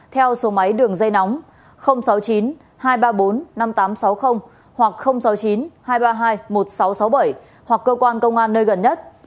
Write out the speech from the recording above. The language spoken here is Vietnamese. theo số máy đường dây nóng sáu mươi chín hai trăm ba mươi bốn năm nghìn tám trăm sáu mươi hoặc sáu mươi chín hai trăm ba mươi hai một nghìn sáu trăm sáu mươi bảy hoặc cơ quan công an nơi gần nhất